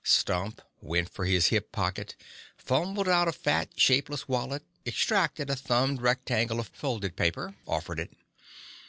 Stump went for his hip pocket, fumbled out a fat, shapeless wallet, extracted a thumbed rectangle of folded paper, offered it.